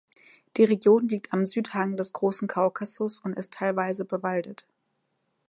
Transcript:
Die Region liegt am Südhang des Großen Kaukasus und ist teilweise bewaldet.